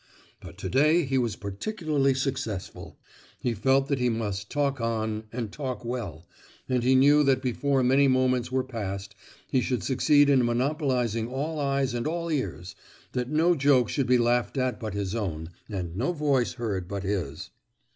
But to day he was particularly successful; he felt that he must talk on and talk well, and he knew that before many moments were past he should succeed in monopolizing all eyes and all ears—that no joke should be laughed at but his own, and no voice heard but his.